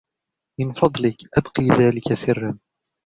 من فضلك أبقِ ذلك سراً.